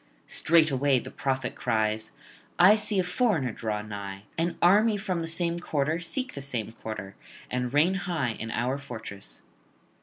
Straightway the prophet cries: 'I see a foreigner draw nigh, an army from the same quarter seek the same quarter, and reign high in our fortress.'